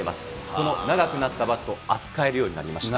この長くなったバットを扱えるようになりました。